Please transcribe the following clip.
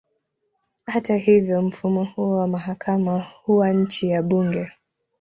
Hata hivyo, mfumo huo wa mahakama huwa chini ya bunge.